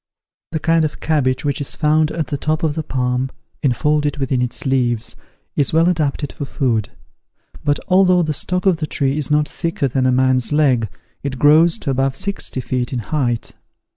The kind of cabbage which is found at the top of the palm, enfolded within its leaves, is well adapted for food; but, although the stock of the tree is not thicker than a man's leg, it grows to above sixty feet in height.